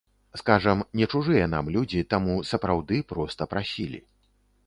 Скажам, не чужыя нам людзі, таму, сапраўды, проста прасілі.